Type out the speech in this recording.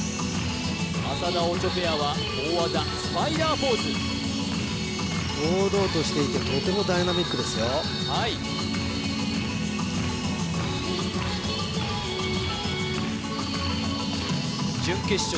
浅田・オチョペアは大技スパイダーポーズ堂々としていてとてもダイナミックですよはい準決勝